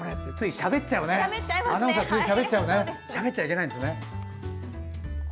しゃべっちゃいけないんですね。